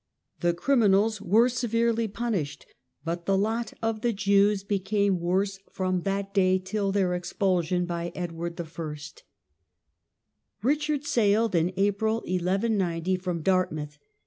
The crimi nals were severely punished, but the lot of the Jews became worse from that day till their expulsion by Edward I. Richard sailed in April, 1190, from Dartmouth.